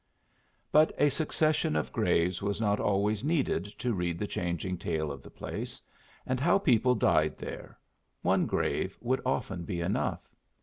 But a succession of graves was not always needed to read the changing tale of the place, and how people died there; one grave would often be enough.